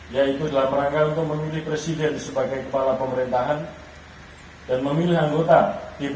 yaitu dalam langkah untuk memilih presiden sebagai kepala pemerintahan dan memilih anggota dpr sebagai bagian dari legislatif